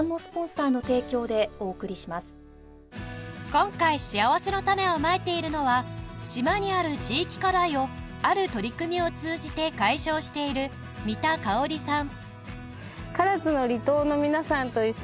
今回しあわせのたねをまいているのは島にある地域課題をある取り組みを通じて解消している三田かおりさん